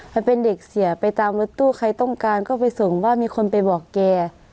ถ้าเป็นเด็กเสียไปตามรถตู้ใครต้องการก็ไปส่งว่ามีคนไปบอกแก